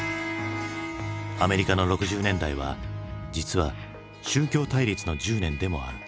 アメリカの６０年代は実は宗教対立の１０年でもある。